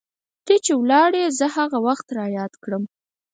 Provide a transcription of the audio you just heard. ته چې ولاړي زه هغه وخت رایاد کړم